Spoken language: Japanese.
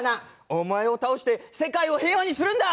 お前を倒して世界を平和にするんだ！